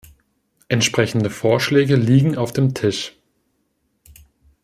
Entsprechende Vorschläge liegen auf dem Tisch.